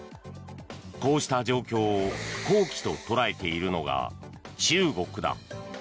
こうした状況を好機と捉えているのが中国だ。